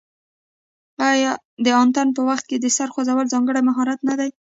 آیا د اتن په وخت کې د سر خوځول ځانګړی مهارت نه دی؟